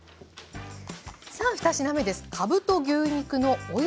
さあ２品目です。